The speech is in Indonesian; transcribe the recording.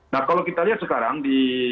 nah kalau kita lihat sekarang di